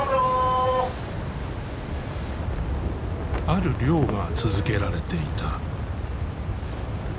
ある漁が続けられていた。